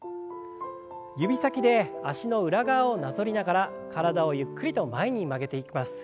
指先で脚の裏側をなぞりながら体をゆっくりと前に曲げていきます。